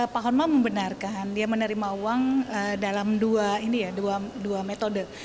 pak hotma membenarkan dia menerima uang dalam dua minggu